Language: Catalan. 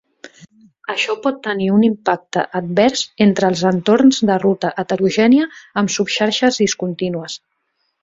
Això pot tenir un impacte advers entre els entorns de ruta heterogènia amb subxarxes discontinues.